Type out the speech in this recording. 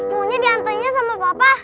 maunya diantarin sama papa